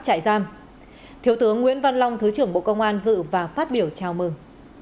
trại giam thiếu tướng nguyễn văn long thứ trưởng bộ công an dự và phát biểu chào mừng